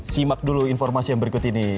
simak dulu informasi yang berikut ini